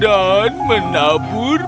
dan menabur benih